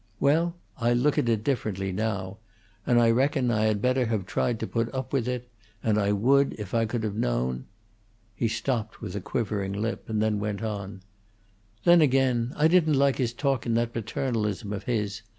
Well, I look at it differently now, and I reckon I had better have tried to put up with it; and I would, if I could have known " He stopped with a quivering lip, and then went on: "Then, again, I didn't like his talkin' that paternalism of his.